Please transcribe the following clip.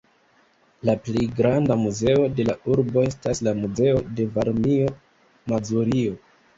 La plej granda muzeo de la urbo estas la "Muzeo de Varmio-Mazurio".